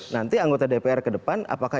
nanti anggota dpr ke depan apakah